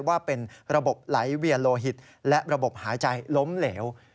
ว่าเป็นระบบไหลเวียนโลหิตและระบบหายใจล้มเหลว